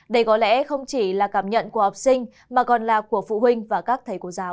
đây có lẽ không chỉ là cảm nhận của học sinh mà còn là của phụ huynh và các thầy cô giáo